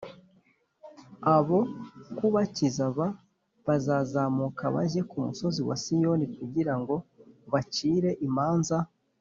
Abo kubakiza b bazazamuka bajye ku musozi wa Siyoni kugira ngo bacire imanza